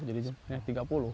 jadi jumlahnya tiga puluh